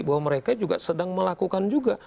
bahwa mereka juga sedang melakukan juga